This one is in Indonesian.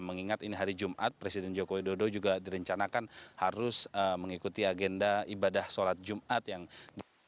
mengingat ini hari jumat presiden joko widodo juga direncanakan harus mengikuti agenda ibadah sholat jumat